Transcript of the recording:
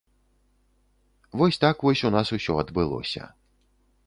Вось так вось у нас усё адбылося.